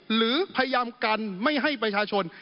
หรือพยายามกันไม่ให้ประชาชน